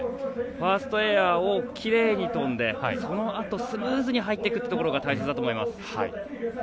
ファーストエアをきれいに飛んでそのあとスムーズに入っていくというところが大切だと思います。